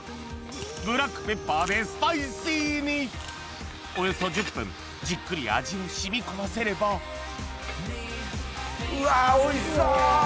ブラックペッパーでスパイシーにおよそ１０分じっくり味を染み込ませればうわおいしそう！